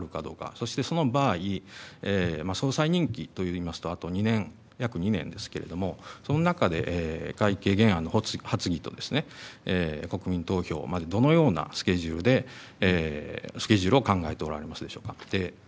そしてその場合総裁任期といいますとあと２年、約２年ですけれどもその中で会見原案の発議と国民投票までどのようなスケジュールを考えておられますでしょうか。